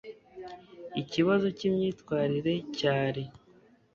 Ikibazo cyimyitwarire cyari